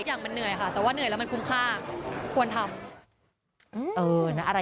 ทุกอย่างมันเหนื่อยค่ะ